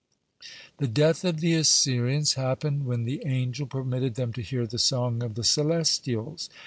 (57) The death of the Assyrians happened when the angel permitted them to hear the "song of the celestials."